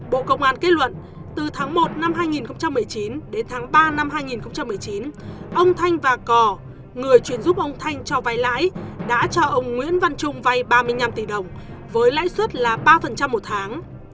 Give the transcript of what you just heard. bộ công an kết luận từ tháng một năm hai nghìn một mươi chín đến tháng ba năm hai nghìn một mươi chín ông thanh và cò người chuyển giúp ông thanh cho vay lãi đã cho ông nguyễn văn trung vai ba mươi năm tỷ đồng với lãi suất là ba một tháng